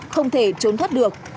không thể trốn thoát được